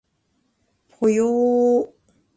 ぽよー